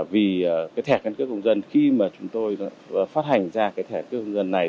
vì thẻ căn cước công dân khi chúng tôi phát hành ra thẻ căn cước công dân này